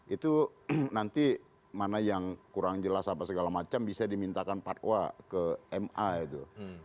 itu nanti mana yang kurang jelas apa segala macam bisa dimintakan patwa ke ma itu